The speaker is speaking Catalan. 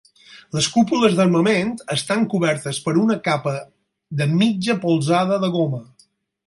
Les cúpules d'armament estan cobertes per una capa de mitja polzada de goma.